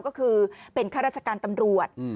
ก็คือเป็นข้าราชการตำรวจ